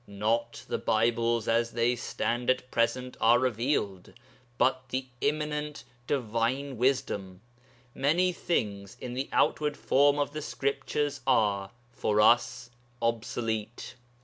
Not the Bibles as they stand at present are revealed, but the immanent Divine Wisdom. Many things in the outward form of the Scriptures are, for us, obsolete.